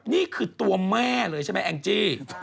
นี่คือตัวแม่เลยใช่ไหมแองจี้